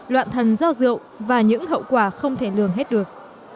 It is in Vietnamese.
loạn thần do rượu và những hậu quả không thể lường hết được